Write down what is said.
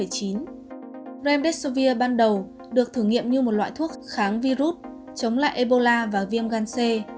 rembessovir ban đầu được thử nghiệm như một loại thuốc kháng virus chống lại ebola và viêm gan c